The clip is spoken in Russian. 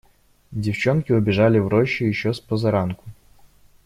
Девчонки убежали в рощу еще спозаранку.